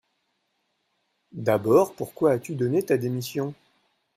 D’abord, pourquoi as-tu donné ta démission ?